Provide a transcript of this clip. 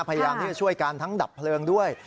พยายามที่จะช่วยกันทั้งดับเพลิงด้วย